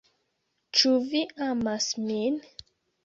"Ĉu vi amas min?"